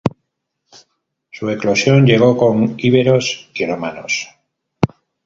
Su eclosión llegó con íberos y romanos.